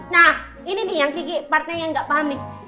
nah ini nih yang kiki partnya yang gak paham nih